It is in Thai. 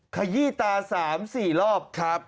ขยี้ตา๓๔รอบครับ